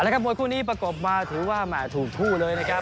แล้วครับมวยคู่นี้ประกบมาถือว่าแหม่ถูกคู่เลยนะครับ